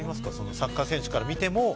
サッカー選手から見ても。